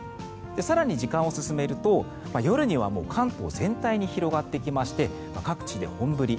更に時間を進めると夜には関東全体に広がってきまして各地で本降り。